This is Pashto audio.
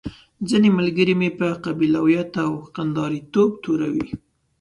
ځينې ملګري مې په قبيلويت او کنداريتوب توروي.